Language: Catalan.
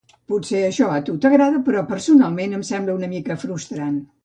Potser això a tu t'agrada, però personalment em sembla una mica frustrant.